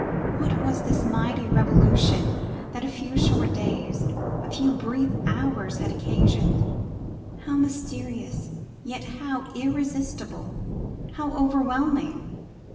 What was this mighty revolution that a few short days, a few brief hours had occasioned? How mysterious, yet how irresistible, how overwhelming!